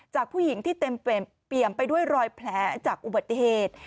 จากผู้หญิงที่เต็มไปด้วยรอยแผลจากอุบัติเหตุ